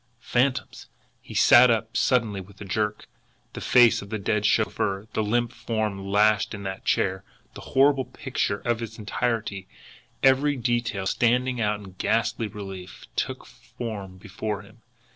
Phantoms! He sat up suddenly with a jerk. The face of the dead chauffeur, the limp form lashed in that chair, the horrible picture in its entirety, every detail standing out in ghastly relief, took form before him.